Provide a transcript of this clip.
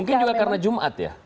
mungkin juga karena jumat ya